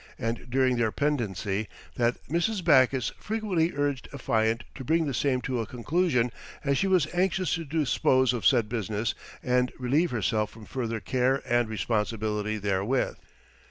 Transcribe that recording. and during their pendency that Mrs. Backus frequently urged affiant to bring the same to a conclusion as she was anxious to dispose of said business and relieve herself from further care and responsibility therewith.